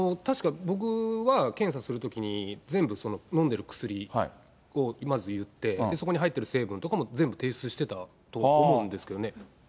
確か、僕は検査するときに全部飲んでる薬をまず言って、そこに入ってる成分とかも全部提出してたと思うんですけどね。